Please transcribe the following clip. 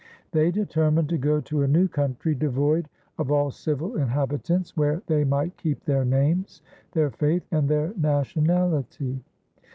They determined to go to a new country "devoyd of all civill inhabitants," where they might keep their names, their faith, and their nationality.